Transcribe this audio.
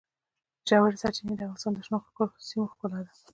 ژورې سرچینې د افغانستان د شنو سیمو ښکلا ده.